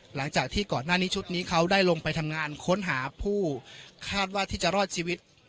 หลังจากที่ก่อนหน้านี้ชุดนี้เขาได้ลงไปทำงานค้นหาผู้คาดว่าที่จะรอดชีวิต